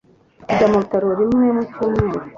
Ajya mu bitaro rimwe mu cyumweru.